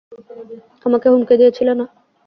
আমাকে হুমকি দিয়েছিলে না?